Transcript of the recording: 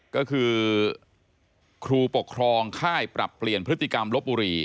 ก็คือครูปกครองค่ายปรับเปลี่ยนพฤติกรรมลบบุรี